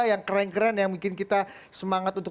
yang keren keren yang bikin kita semangat untuk